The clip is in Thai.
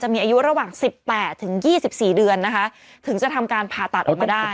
จะมีอายุระหว่างสิบแปดถึงยี่สิบสี่เดือนนะคะถึงจะทำการผ่าตัดออกมาได้